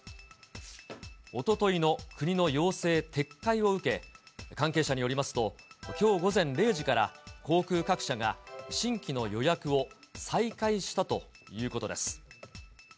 おとといの国の要請撤回を受け、関係者によりますと、きょう午前０時から航空各社が新規の予約を再開したということです。